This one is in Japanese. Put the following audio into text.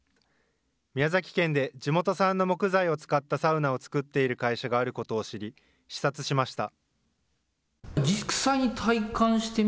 宮崎県で地元産の木材を使ったサウナを作っている会社があることを知り、視察しました。